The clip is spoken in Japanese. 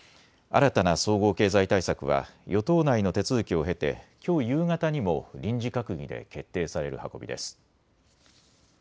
新たな総合経済対策は与党内の手続きを経て、きょう夕方にも臨時閣議で決定される運びです。